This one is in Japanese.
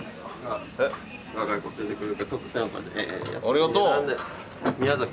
ありがとう！宮崎